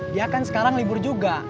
dia kan sekarang libur juga